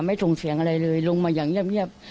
ส่งเสียงอะไรเลยลงมาอย่างเงียบ